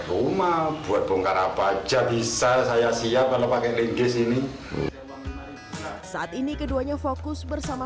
rumah buat bongkar apa aja bisa saya siap kalau pakai linggis ini saat ini keduanya fokus bersama